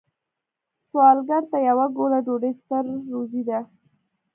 سوالګر ته یوه ګوله ډوډۍ ستر روزی ده